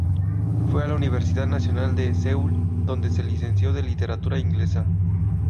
Fue a la Universidad Nacional de Seúl, donde se licenció de Literatura Inglesa.